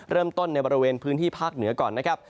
เริ่มต้นในบริเวณพื้นที่ภาคเหนือก่อนนะครับ